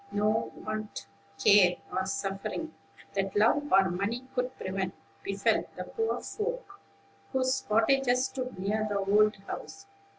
No want, care, or suffering, that love or money could prevent, befell the poor folk whose cottages stood near the old house.